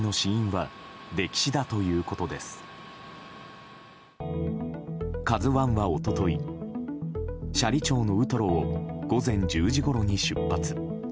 「ＫＡＺＵ１」は一昨日斜里町のウトロを午前１０時ごろに出発。